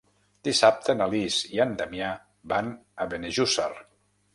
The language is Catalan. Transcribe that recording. Dissabte na Lis i en Damià van a Benejússer.